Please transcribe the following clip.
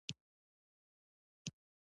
زړه تل د خپل مل په لټون کې وي.